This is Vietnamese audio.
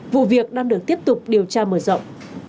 vụ việc đang được tiếp tục điều tra mở rộng